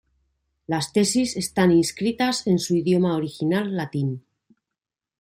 Las Tesis están inscritas en su idioma original latín.